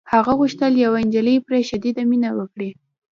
هغه غوښتل یوه نجلۍ پرې شدیده مینه وکړي